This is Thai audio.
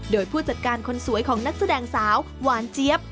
โดยผู้จัดการคนสวยของนักแสดงสาวหวานเจี๊ยบ